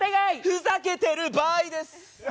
ふざけてる場合です。